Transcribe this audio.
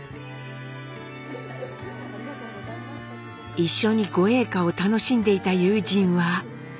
一緒に御詠歌を楽しんでいた友人は。